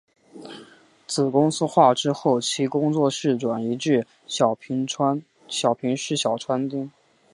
子公司化之后其工作室转移至小平市小川町。